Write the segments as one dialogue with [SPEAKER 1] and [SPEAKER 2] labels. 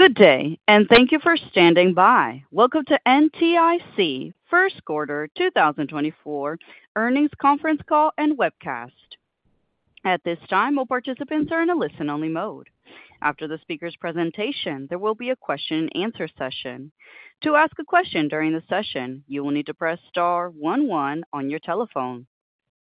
[SPEAKER 1] Good day, and thank you for standing by. Welcome to NTIC Q1 2024 Earnings Conference Call and Webcast. At this time, all participants are in a listen-only mode. After the speaker's presentation, there will be a question-and-answer session. To ask a question during the session, you will need to press star one one on your telephone.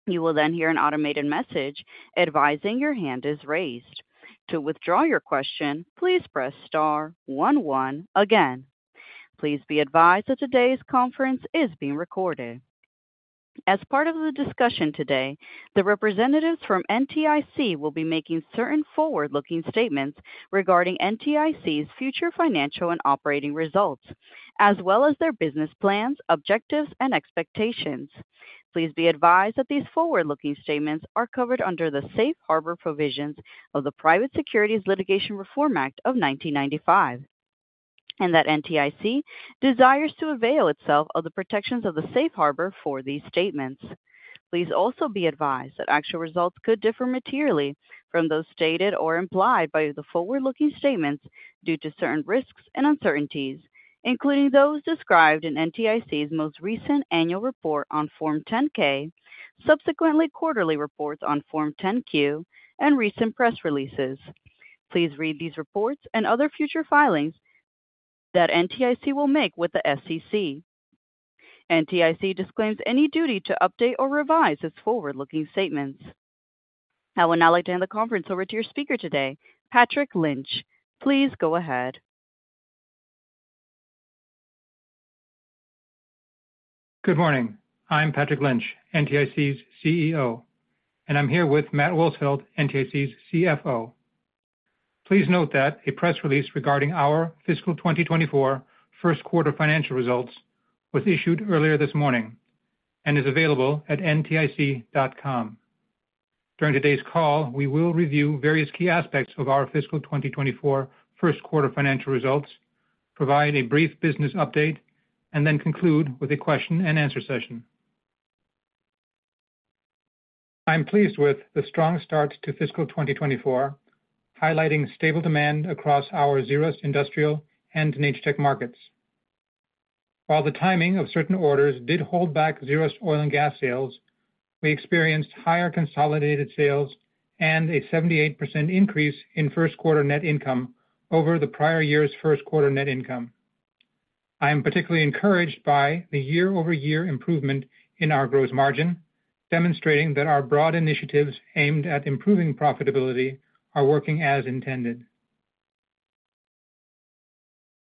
[SPEAKER 1] You will then hear an automated message advising your hand is raised. To withdraw your question, please press star one one again. Please be advised that today's conference is being recorded. As part of the discussion today, the representatives from NTIC will be making certain forward-looking statements regarding NTIC's future financial and operating results, as well as their business plans, objectives, and expectations. Please be advised that these forward-looking statements are covered under the Safe Harbor provisions of the Private Securities Litigation Reform Act of 1995, and that NTIC desires to avail itself of the protections of the Safe Harbor for these statements. Please also be advised that actual results could differ materially from those stated or implied by the forward-looking statements due to certain risks and uncertainties, including those described in NTIC's most recent annual report on Form 10-K, subsequently quarterly reports on Form 10-Q, and recent press releases. Please read these reports and other future filings that NTIC will make with the SEC. NTIC disclaims any duty to update or revise its forward-looking statements. I would now like to hand the conference over to your speaker today, Patrick Lynch. Please go ahead.
[SPEAKER 2] Good morning. I'm Patrick Lynch, NTIC's CEO, and I'm here with Matt Wolsfeld, NTIC's CFO. Please note that a press release regarding our fiscal 2024 Q1 financial results was issued earlier this morning and is available at ntic.com. During today's call, we will review various key aspects of our fiscal 2024 Q1 financial results, provide a brief business update, and then conclude with a question-and-answer session. I'm pleased with the strong start to fiscal 2024, highlighting stable demand across our ZERUST Industrial and Natur-Tec markets. While the timing of certain orders did hold back ZERUST Oil & Gas sales, we experienced higher consolidated sales and a 78% increase in Q1 net income over the prior year's Q1 net income. I am particularly encouraged by the year-over-year improvement in our gross margin, demonstrating that our broad initiatives aimed at improving profitability are working as intended.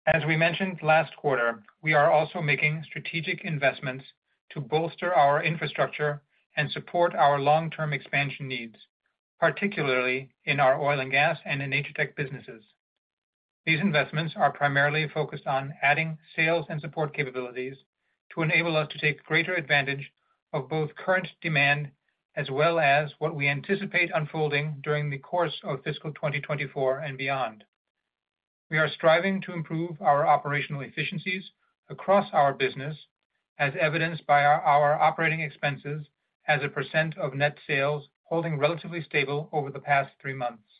[SPEAKER 2] As we mentioned last quarter, we are also making strategic investments to bolster our infrastructure and support our long-term expansion needs, particularly in our oil and gas and in Natur-Tec businesses. These investments are primarily focused on adding sales and support capabilities to enable us to take greater advantage of both current demand as well as what we anticipate unfolding during the course of fiscal 2024 and beyond. We are striving to improve our operational efficiencies across our business, as evidenced by our operating expenses as a percent of net sales holding relatively stable over the past three months.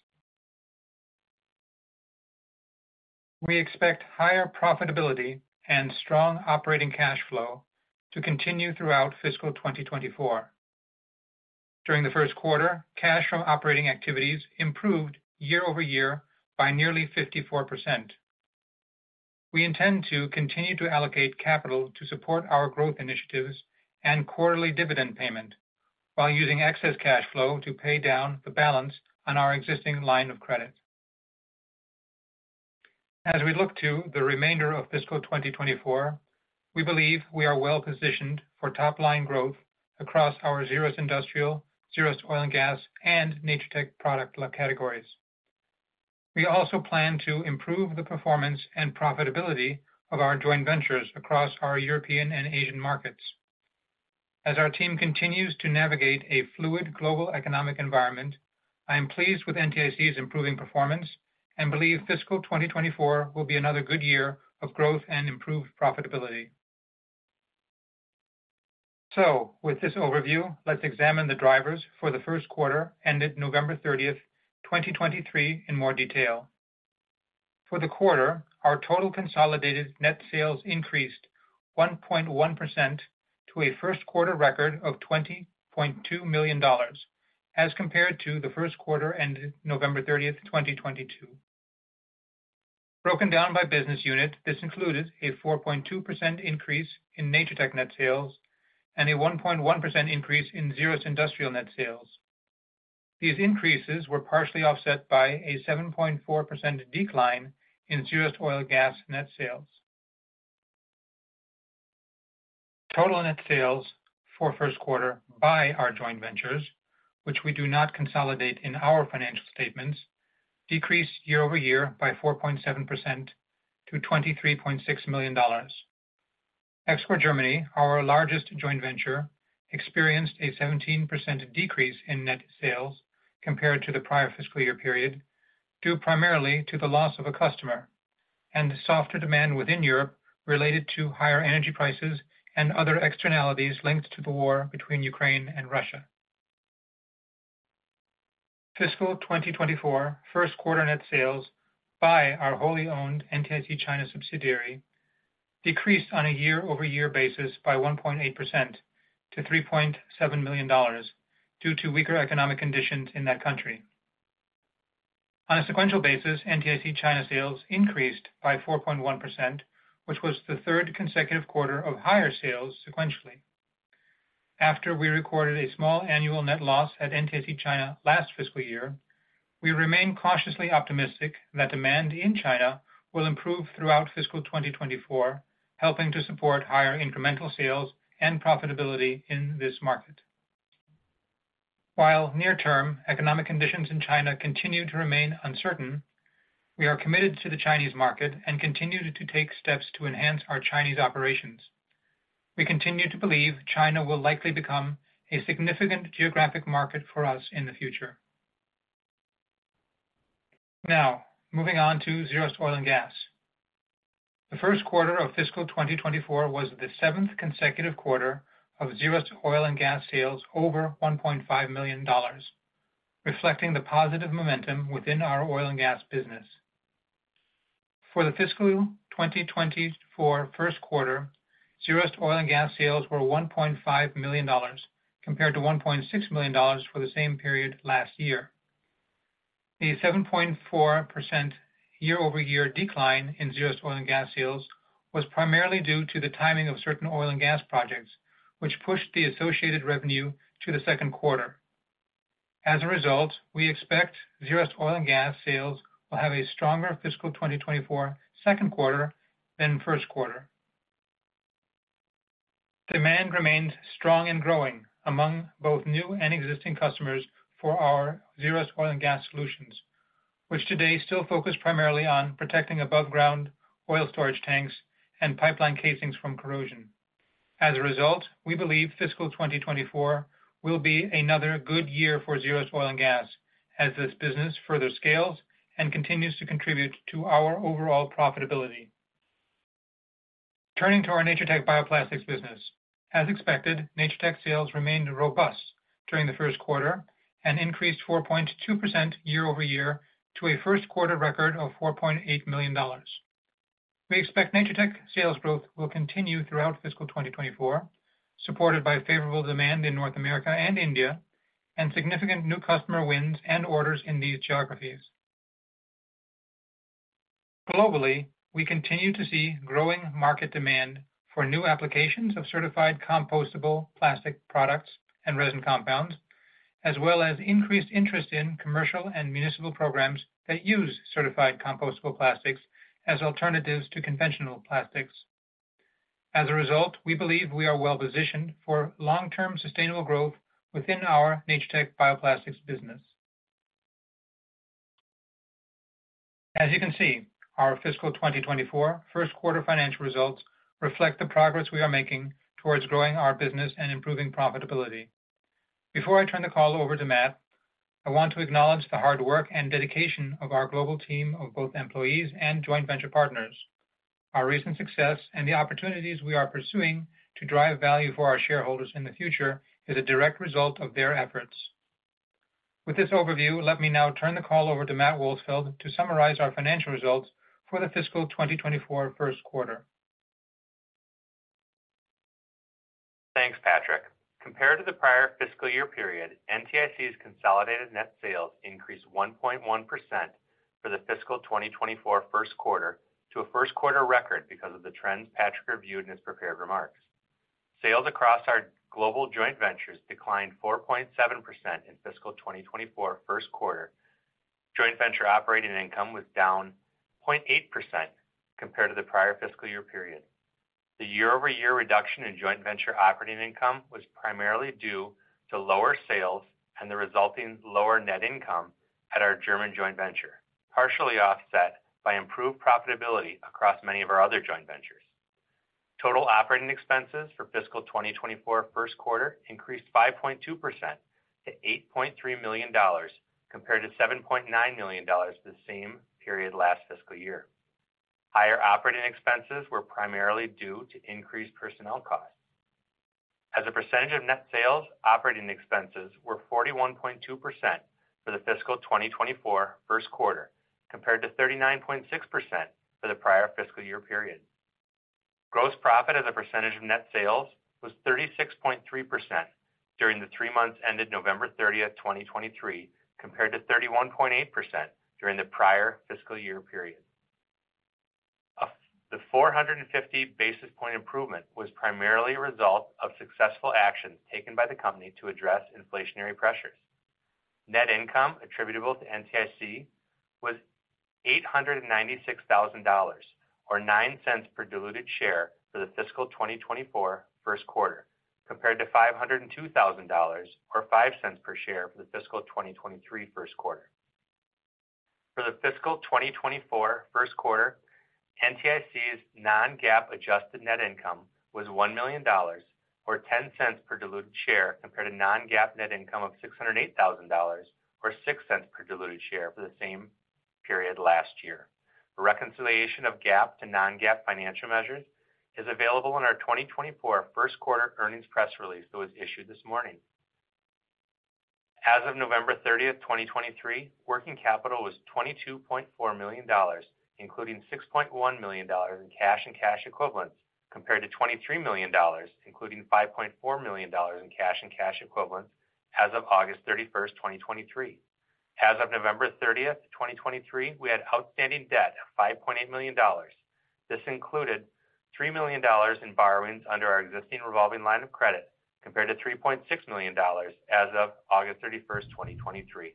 [SPEAKER 2] We expect higher profitability and strong operating cash flow to continue throughout fiscal 2024. During the Q1, cash from operating activities improved year-over-year by nearly 54%. We intend to continue to allocate capital to support our growth initiatives and quarterly dividend payment, while using excess cash flow to pay down the balance on our existing line of credit. As we look to the remainder of fiscal 2024, we believe we are well positioned for top-line growth across our ZERUST Industrial, ZERUST Oil and Gas, and Natur-Tec product categories. We also plan to improve the performance and profitability of our joint ventures across our European and Asian markets. As our team continues to navigate a fluid global economic environment, I am pleased with NTIC's improving performance and believe fiscal 2024 will be another good year of growth and improved profitability. So with this overview, let's examine the drivers for the Q1 ended November 30, 2023, in more detail. For the quarter, our total consolidated net sales increased 1.1% to a Q1 record of $20.2 million as compared to the Q1 ended November 30, 2022. Broken down by business unit, this included a 4.2% increase in Natur-Tec net sales and a 1.1% increase in ZERUST Industrial net sales. These increases were partially offset by a 7.4% decline in ZERUST Oil & Gas net sales. Total net sales for Q1 by our joint ventures, which we do not consolidate in our financial statements, decreased year-over-year by 4.7% to $23.6 million. Excor Germany, our largest joint venture, experienced a 17% decrease in net sales compared to the prior fiscal year period, due primarily to the loss of a customer and softer demand within Europe related to higher energy prices and other externalities linked to the war between Ukraine and Russia. Fiscal 2024 Q1 net sales by our wholly owned NTIC China subsidiary decreased on a year-over-year basis by 1.8% to $3.7 million due to weaker economic conditions in that country. On a sequential basis, NTIC China sales increased by 4.1%, which was the third consecutive quarter of higher sales sequentially. After we recorded a small annual net loss at NTIC China last fiscal year, we remain cautiously optimistic that demand in China will improve throughout fiscal 2024, helping to support higher incremental sales and profitability in this market. While near-term economic conditions in China continue to remain uncertain, we are committed to the Chinese market and continue to take steps to enhance our Chinese operations. We continue to believe China will likely become a significant geographic market for us in the future. Now, moving on to ZERUST Oil & Gas. The Q1 of fiscal 2024 was the seventh consecutive quarter of ZERUST Oil & Gas sales over $1.5 million, reflecting the positive momentum within our oil and gas business. For the fiscal 2024 Q1, ZERUST Oil & Gas sales were $1.5 million, compared to $1.6 million for the same period last year. The 7.4% year-over-year decline in ZERUST Oil & Gas sales was primarily due to the timing of certain oil and gas projects, which pushed the associated revenue to the Q2. As a result, we expect Zerust Oil & Gas sales will have a stronger fiscal 2024 Q2 than Q1. Demand remained strong and growing among both new and existing customers for our Zerust Oil & Gas solutions, which today still focus primarily on protecting above-ground oil storage tanks and pipeline casings from corrosion. As a result, we believe fiscal 2024 will be another good year for Zerust Oil & Gas as this business further scales and continues to contribute to our overall profitability. Turning to our Natur-Tec Bioplastics business. As expected, Natur-Tec sales remained robust during the Q1 and increased 4.2% year-over-year to a Q1 record of $4.8 million. We expect Natur-Tec sales growth will continue throughout fiscal 2024, supported by favorable demand in North America and India, and significant new customer wins and orders in these geographies. Globally, we continue to see growing market demand for new applications of certified compostable plastic products and resin compounds, as well as increased interest in commercial and municipal programs that use certified compostable plastics as alternatives to conventional plastics. As a result, we believe we are well positioned for long-term sustainable growth within our Natur-Tec Bioplastics business. As you can see, our fiscal 2024 Q1 financial results reflect the progress we are making towards growing our business and improving profitability. Before I turn the call over to Matt, I want to acknowledge the hard work and dedication of our global team of both employees and joint venture partners. Our recent success and the opportunities we are pursuing to drive value for our shareholders in the future is a direct result of their efforts. With this overview, let me now turn the call over to Matt Wolsfeld to summarize our financial results for the fiscal 2024 Q1.
[SPEAKER 3] Thanks, Patrick. Compared to the prior fiscal year period, NTIC's consolidated net sales increased 1.1% for the fiscal 2024 Q1 to a Q1 record because of the trends Patrick reviewed in his prepared remarks. Sales across our global joint ventures declined 4.7% in fiscal 2024 Q1. Joint venture operating income was down 0.8% compared to the prior fiscal year period. The year-over-year reduction in joint venture operating income was primarily due to lower sales and the resulting lower net income at our German joint venture, partially offset by improved profitability across many of our other joint ventures. Total operating expenses for fiscal 2024 Q1 increased 5.2% to $8.3 million, compared to $7.9 million the same period last fiscal year. Higher operating expenses were primarily due to increased personnel costs. As a percentage of net sales, operating expenses were 41.2% for the fiscal 2024 Q1, compared to 39.6% for the prior fiscal year period. Gross profit as a percentage of net sales was 36.3% during the three months ended November 30, 2023, compared to 31.8% during the prior fiscal year period. The 450 basis point improvement was primarily a result of successful actions taken by the company to address inflationary pressures. Net income attributable to NTIC was $896,000, or $0.09 per diluted share, for the fiscal 2024 Q1, compared to $502,000, or $0.05 per share, for the fiscal 2023 Q1. For the fiscal 2024 Q1, NTIC's non-GAAP adjusted net income was $1 million, or $0.10 per diluted share, compared to non-GAAP net income of $608,000, or $0.06 per diluted share, for the same period last year. A reconciliation of GAAP to non-GAAP financial measures is available in our 2024 Q1 earnings press release that was issued this morning. As of November 30th, 2023, working capital was $22.4 million, including $6.1 million in cash and cash equivalents, compared to $23 million, including $5.4 million in cash and cash equivalents as of August 31st, 2023. As of November 30th, 2023, we had outstanding debt of $5.8 million. This included $3 million in borrowings under our existing revolving line of credit, compared to $3.6 million as of August 31, 2023.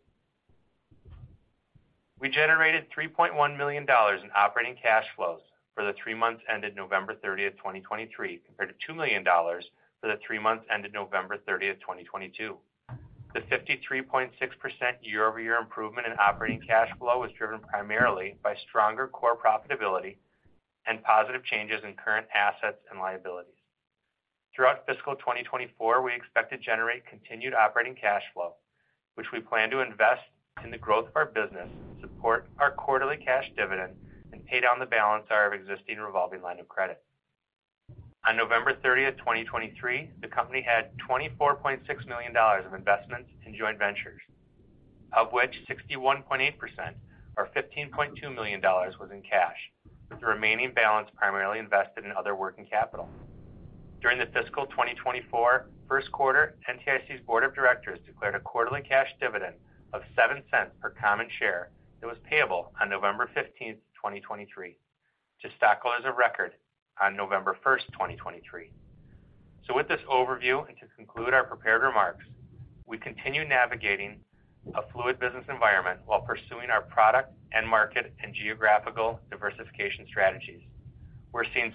[SPEAKER 3] We generated $3.1 million in operating cash flows for the three months ended November 30, 2023, compared to $2 million for the three months ended November 30, 2022. The 53.6% year-over-year improvement in operating cash flow was driven primarily by stronger core profitability and positive changes in current assets and liabilities. Throughout fiscal 2024, we expect to generate continued operating cash flow, which we plan to invest in the growth of our business, support our quarterly cash dividend, and pay down the balance of our existing revolving line of credit. On November 30, 2023, the company had $24.6 million of investments in joint ventures, of which 61.8% or $15.2 million was in cash, with the remaining balance primarily invested in other working capital. During the fiscal 2024 Q1, NTIC's board of directors declared a quarterly cash dividend of $0.07 per common share that was payable on November 15, 2023, to stockholders of record on November 1, 2023. So with this overview, and to conclude our prepared remarks, we continue navigating a fluid business environment while pursuing our product and market and geographical diversification strategies. We're seeing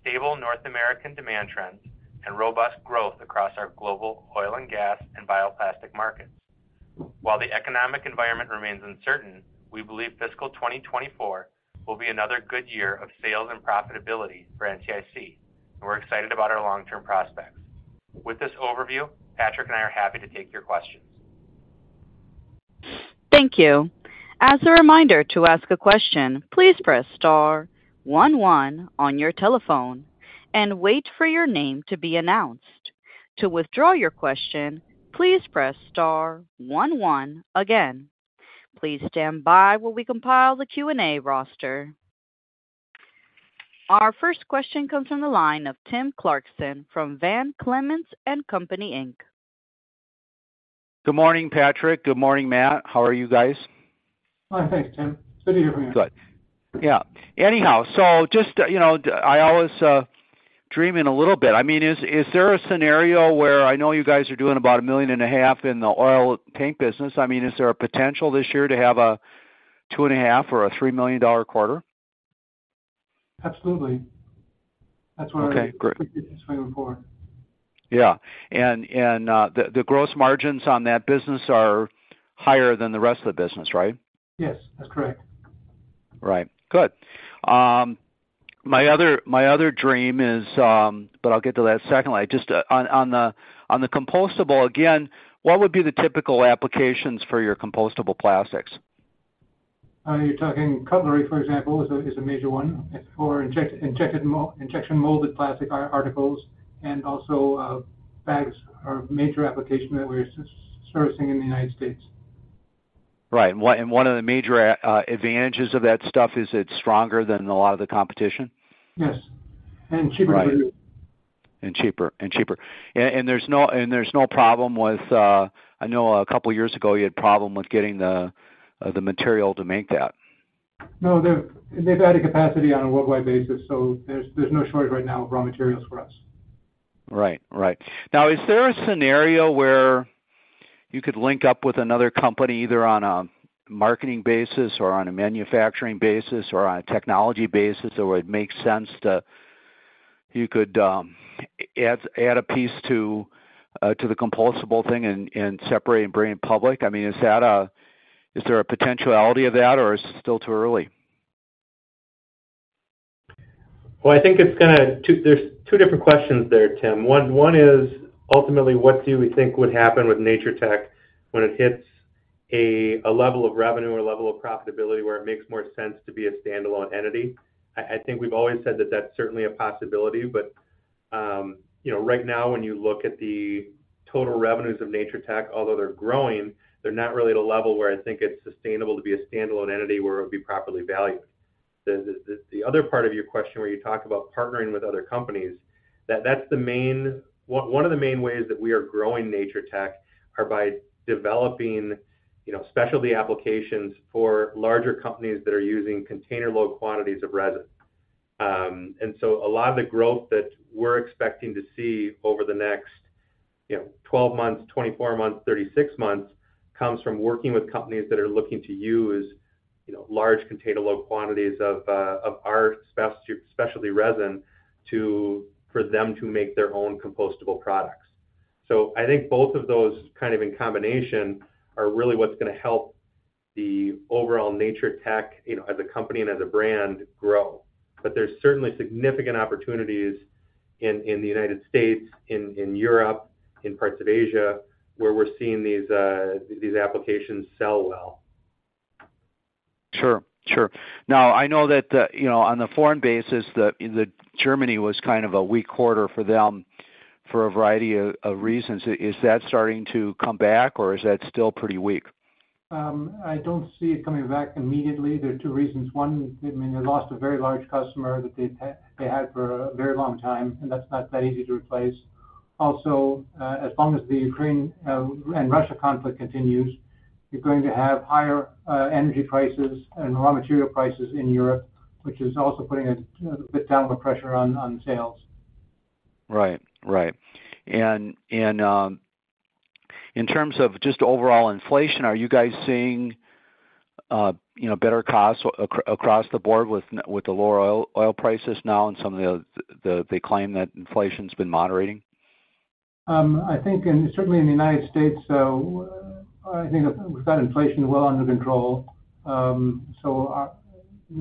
[SPEAKER 3] stable North American demand trends and robust growth across our global oil and gas and bioplastic markets. While the economic environment remains uncertain, we believe fiscal 2024 will be another good year of sales and profitability for NTIC, and we're excited about our long-term prospects. With this overview, Patrick and I are happy to take your questions.
[SPEAKER 1] Thank you. As a reminder to ask a question, please press star one one on your telephone and wait for your name to be announced. To withdraw your question, please press star one one again. Please stand by while we compile the Q&A roster. Our first question comes from the line of Tim Clarkson from Van Clemens & Co., Inc.
[SPEAKER 4] Good morning, Patrick. Good morning, Matt. How are you guys?
[SPEAKER 2] Hi. Thanks, Tim. Good to hear from you.
[SPEAKER 4] Good. Yeah. Anyhow, so just, you know, I always dream in a little bit. I mean, is there a scenario where I know you guys are doing about $1.5 million in the Oil and Gas business? I mean, is there a potential this year to have a $2.5 million or $3 million quarter?
[SPEAKER 2] Absolutely. That's what-
[SPEAKER 4] Okay, great.
[SPEAKER 2] We're swinging for.
[SPEAKER 4] Yeah. And, the gross margins on that business are higher than the rest of the business, right?
[SPEAKER 2] Yes, that's correct.
[SPEAKER 4] Right. Good. My other dream is... But I'll get to that secondly. Just on the compostable again, what would be the typical applications for your compostable plastics?
[SPEAKER 2] You're talking cutlery, for example, is a major one for injection molded plastic articles and also, bags are a major application that we're servicing in the United States.
[SPEAKER 4] Right. And one of the major advantages of that stuff is it's stronger than a lot of the competition?
[SPEAKER 2] Yes, and cheaper.
[SPEAKER 4] Right. And cheaper. And cheaper. And there's no problem with. I know a couple of years ago, you had problem with getting the material to make that.
[SPEAKER 2] No, they've added capacity on a worldwide basis, so there's no shortage right now of raw materials for us.
[SPEAKER 4] Right. Right. Now, is there a scenario where you could link up with another company, either on a marketing basis or on a manufacturing basis, or on a technology basis, or it makes sense to, you could add a piece to the compostable thing and separate and bring it public? I mean, is that a, is there a potentiality of that, or is it still too early?
[SPEAKER 3] Well, I think it's gonna. Two, there's two different questions there, Tim. One, one is ultimately what do we think would happen with Natur-Tec when it hits a level of revenue or level of profitability where it makes more sense to be a standalone entity? I think we've always said that that's certainly a possibility. But, you know, right now, when you look at the total revenues of Natur-Tec, although they're growing, they're not really at a level where I think it's sustainable to be a standalone entity where it would be properly valued. The other part of your question, where you talk about partnering with other companies, that's one of the main ways that we are growing Natur-Tec are by developing, you know, specialty applications for larger companies that are using container load quantities of resin. And so a lot of the growth that we're expecting to see over the next, you know, 12 months, 24 months, 36 months, comes from working with companies that are looking to use, you know, large container load quantities of of our specialty resin to for them to make their own compostable products. So I think both of those kind of in combination are really what's going to help the overall Natur-Tec, you know, as a company and as a brand, grow. But there's certainly significant opportunities. In the United States, in Europe, in parts of Asia, where we're seeing these applications sell well.
[SPEAKER 4] Sure, sure. Now, I know that, you know, on the foreign basis, the Germany was kind of a weak quarter for them for a variety of reasons. Is that starting to come back, or is that still pretty weak?
[SPEAKER 2] I don't see it coming back immediately. There are two reasons. One, I mean, they lost a very large customer that they've had for a very long time, and that's not that easy to replace. Also, as long as the Ukraine and Russia conflict continues, you're going to have higher energy prices and raw material prices in Europe, which is also putting a bit downward pressure on sales.
[SPEAKER 4] Right. Right. And in terms of just overall inflation, are you guys seeing you know, better costs across the board with the lower oil prices now and some of the claim that inflation's been moderating?
[SPEAKER 2] I think, and certainly in the United States, so I think we've got inflation well under control. So,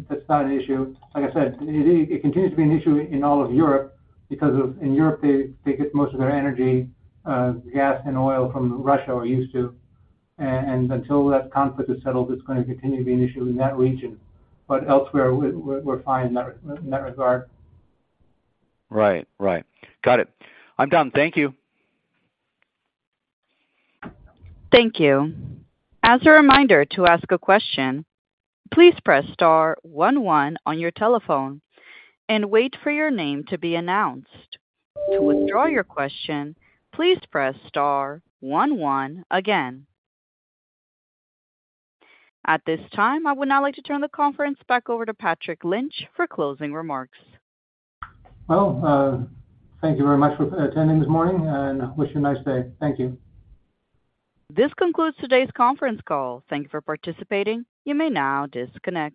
[SPEAKER 2] that's not an issue. Like I said, it continues to be an issue in all of Europe, because of in Europe, they get most of their energy, gas and oil from Russia or used to. And until that conflict is settled, it's gonna continue to be an issue in that region. But elsewhere, we're fine in that regard.
[SPEAKER 4] Right. Right. Got it. I'm done. Thank you.
[SPEAKER 1] Thank you. As a reminder to ask a question, please press star one one on your telephone and wait for your name to be announced. To withdraw your question, please press star one one again. At this time, I would now like to turn the conference back over to Patrick Lynch for closing remarks.
[SPEAKER 2] Well, thank you very much for attending this morning, and I wish you a nice day. Thank you.
[SPEAKER 1] This concludes today's conference call. Thank you for participating. You may now disconnect.